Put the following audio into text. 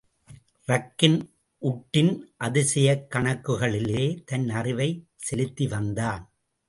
ரக்கின் உட்டின், அதிசயக் கணக்குகளிலே தன் அறிவைச் செலுத்திவந்தான்.